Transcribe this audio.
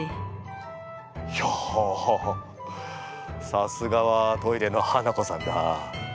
さすがはトイレのハナコさんだ。